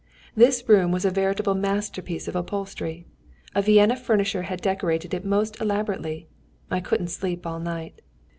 This room was a veritable masterpiece of upholstery. A Vienna furnisher had decorated it most elaborately. I couldn't sleep all night.